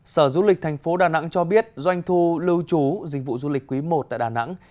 sở du lịch thành phố đà nẵng cho biết doanh thu lưu trú dịch vụ du lịch quý i tại đà nẵng